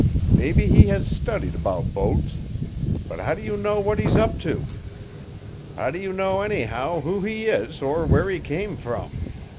Mebbe he has studied 'bout boats; but how do you know what he's up to? How do you know, anyhow, who he is or where he came from?